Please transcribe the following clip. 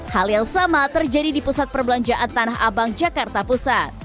hal yang sama terjadi di pusat perbelanjaan tanah abang jakarta pusat